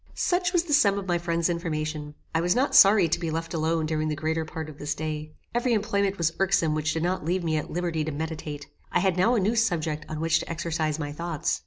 Such was the sum of my friend's information. I was not sorry to be left alone during the greater part of this day. Every employment was irksome which did not leave me at liberty to meditate. I had now a new subject on which to exercise my thoughts.